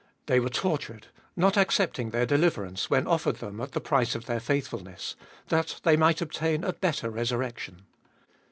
They were tortured, not accepting their deliverance when offered them at the price of their faithfulness, that they might obtain a better resurrection.